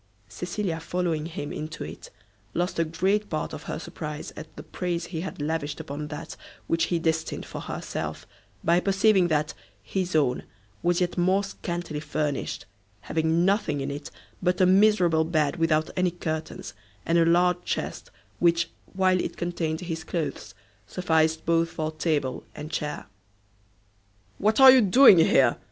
Cecilia, following him into it, lost a great part of her surprise at the praise he had lavished upon that which he destined for herself, by perceiving that his own was yet more scantily furnished, having nothing in it but a miserable bed without any curtains, and a large chest, which, while it contained his clothes, sufficed both for table and chair. "What are doing here?"